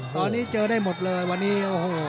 ตอนนี้เจอได้หมดเลยวันนี้